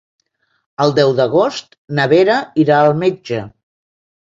El deu d'agost na Vera irà al metge.